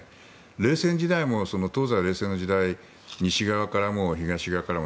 冷戦時代も東西冷戦の時代西側からも東側からも